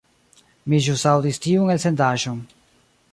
Mi ĵus aŭdis tiun elsendaĵon.